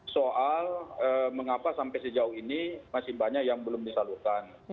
soal mengapa sampai sejauh ini masih banyak yang belum disalurkan